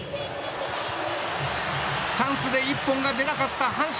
チャンスで１本が出なかった阪神。